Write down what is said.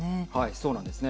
そうなんですね。